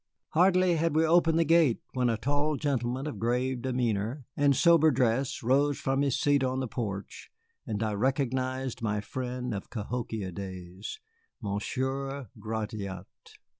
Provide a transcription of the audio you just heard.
Hardly had we opened the gate when a tall gentleman of grave demeanor and sober dress rose from his seat on the porch, and I recognized my friend of Cahokia days, Monsieur Gratiot.